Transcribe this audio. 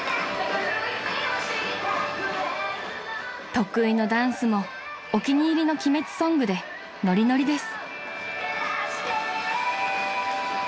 ［得意のダンスもお気に入りの『鬼滅』ソングでノリノリです］